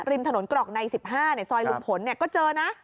ริมถนนกรอกใน๑๕ในซอยลุงพลก็เจอนะ